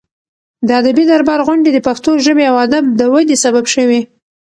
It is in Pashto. د ادبي دربار غونډې د پښتو ژبې او ادب د ودې سبب شوې.